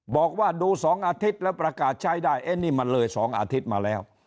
บอกว่าดู๒อาทิตย์แล้วประกาศใช้ได้นี่มันเลย๒อาทิตย์มาแล้ว